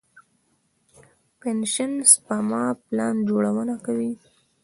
پنشن سپما پلان جوړونه کوي.